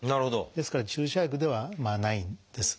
ですから注射薬ではないんです。